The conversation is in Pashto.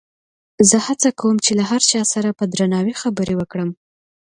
زه هڅه کوم چې له هر چا سره په درناوي خبرې وکړم.